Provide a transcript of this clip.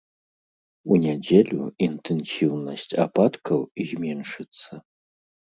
У нядзелю інтэнсіўнасць ападкаў зменшыцца.